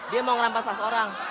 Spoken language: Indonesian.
dia mau merampas tas orang